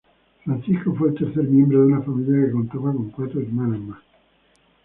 Francisco fue el tercer miembro de una familia que contaba con cuatro hermanas más.